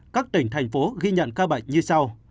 các tỉnh thành phố ghi nhận ca bệnh như sau